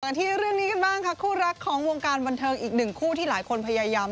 ที่เรื่องนี้กันบ้างค่ะคู่รักของวงการบันเทิงอีกหนึ่งคู่ที่หลายคนพยายาม